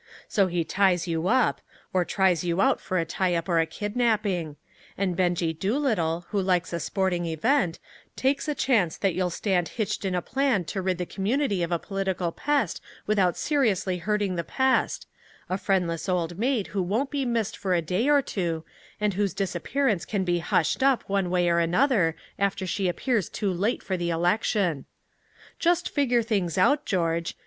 So he ties you up or tries you out for a tie up or a kidnapping; and Benjie Doolittle, who likes a sporting event, takes a chance that you'll stand hitched in a plan to rid the community of a political pest without seriously hurting the pest a friendless old maid who won't be missed for a day or two, and whose disappearance can be hushed up one way or another after she appears too late for the election. "Just figure things out, George.